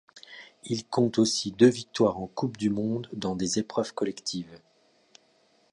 Il compte aussi deux victoires en Coupe du monde dans des épreuves collectives.